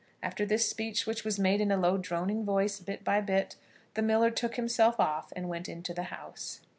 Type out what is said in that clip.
After this speech, which was made in a low, droning voice, bit by bit, the miller took himself off and went into the house.